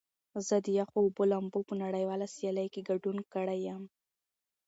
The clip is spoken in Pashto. زه د یخو اوبو لامبو په نړیواله سیالۍ کې ګډون کړی یم.